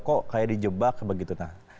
kok kayak di jebak begitu nah